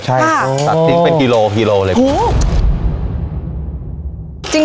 จริงเป็นกิโลคิโลเลยโห